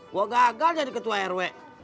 gue gagal jadi ketua rw